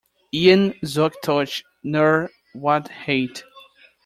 Een zoektocht naar waarheid.